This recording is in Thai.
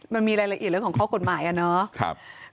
มันมีรายละเอียดของข้อกฎหมายเนอะ